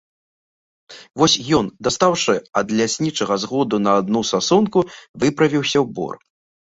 Вось ён, дастаўшы ад ляснічага згоду на адну сасонку, выправіўся ў бор.